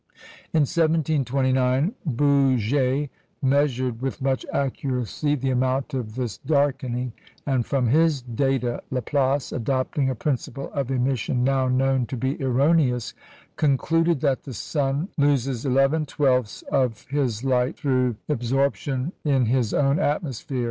In 1729 Bouguer measured, with much accuracy, the amount of this darkening; and from his data, Laplace, adopting a principle of emission now known to be erroneous, concluded that the sun loses eleven twelfths of his light through absorption in his own atmosphere.